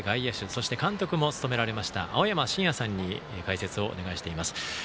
そして監督も務められました青山眞也さんに解説をお願いしています。